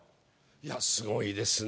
いや、すごいですね。